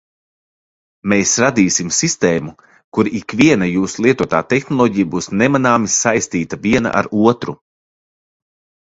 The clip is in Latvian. Mēs radīsim sistēmu, kur ikviena jūsu lietotā tehnoloģija būs nemanāmi saistīta viena ar otru.